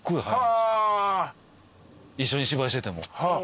一緒に芝居してても。